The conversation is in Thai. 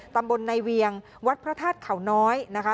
ตำบลในเวียงวัดพระธาตุเขาน้อยนะคะ